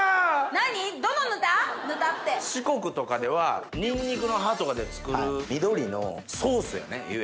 四国とかではニンニクの葉とかで作る緑のソースやね言えば。